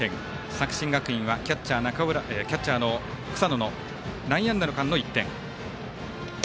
作新学院は、キャッチャーの草野内野安打の間の１点。